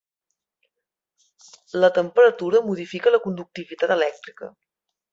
La temperatura modifica la conductivitat elèctrica.